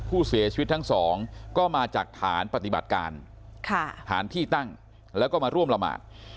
ผู้เสียชีวิตทั้งสองก็มาจากฐานปฏิบัติการฐานที่ตั้งแล้วก็มาร่วมละหมาด